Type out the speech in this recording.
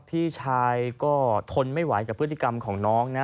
พี่ชายก็ทนไม่ไหวกับพฤติกรรมของน้องนะ